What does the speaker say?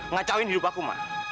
ngacauin hidup aku ma